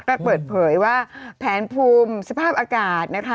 ก็เปิดเผยว่าแผนภูมิสภาพอากาศนะคะ